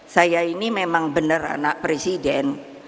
saya ini memang benar anak presiden